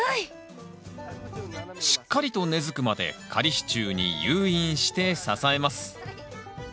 しっかりと根づくまで仮支柱に誘引して支えます。